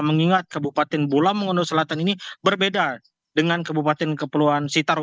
mengingat kabupaten bolangamungundo selatan ini berbeda dengan kabupaten kepulauan sitaro